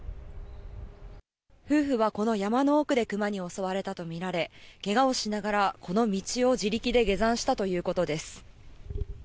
夫婦はこの山の奥で熊に襲われたと見られ、けがをしながらこの道を自力で下山したということです。